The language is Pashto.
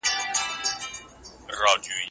ډاکټر کریګ وايي دا پرمختللې ټېکنالوژي ګټوره ده.